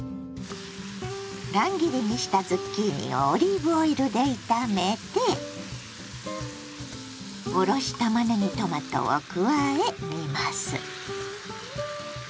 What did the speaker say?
乱切りにしたズッキーニをオリーブオイルで炒めておろしたまねぎトマトを加え煮ます。